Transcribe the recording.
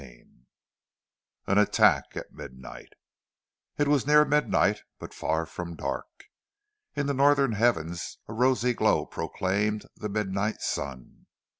CHAPTER II AN ATTACK AT MIDNIGHT It was near midnight, but far from dark. In the northern heavens a rosy glow proclaimed the midnight sun.